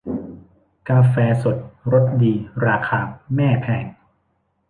กาแฟสดรสดีราคาแม่แพง